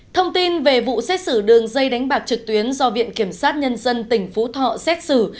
thông tin về vụ xét xử đường dây đánh bạc trực tuyến do viện kiểm sát nhân dân tỉnh phú thọ xét xử